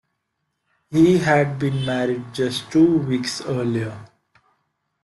He had been married just two weeks earlier.